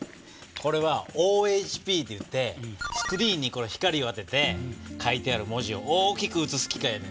これはＯＨＰといってスクリーンに光を当てて書いてある文字を大きく写す機械やねんで。